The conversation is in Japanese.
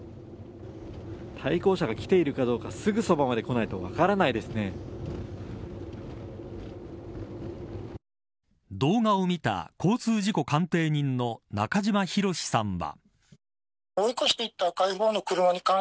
対向車がきているかどうかすぐそばまでこないと動画を見た、交通事故鑑定人の中島博史さんは。